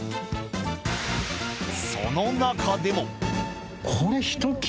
その中でも。